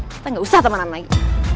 kita gak usah temenan lagi